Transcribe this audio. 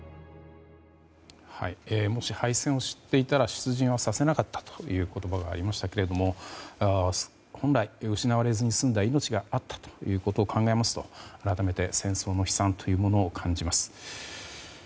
もし敗戦を知っていたら出陣はさせなかったという言葉がありましたけども本来失われずに済んだ命があったことを考えますと、改めて戦争の悲惨というのを感じます。